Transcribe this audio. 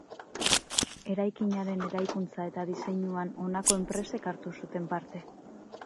Eraikinaren eraikuntza eta diseinuan honako enpresek hartu zuten parte.